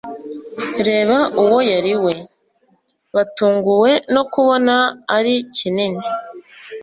reba uwo yari we. batunguwe no kubona ari kinini